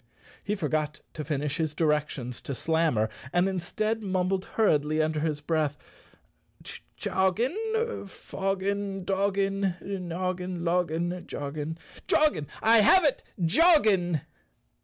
He forgot to finish his directions to Slammer and in¬ stead mumbled hurriedly under his breath, " Choggin, foggin, doggon, noggin, loggin, joggin. Ah, I have it —joggin!"